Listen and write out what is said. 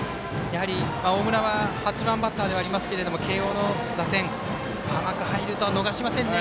大村は８番バッターでありますが慶応の打線甘く入る球、逃しませんね。